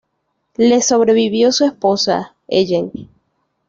Le sobrevivió su esposa, Ellen.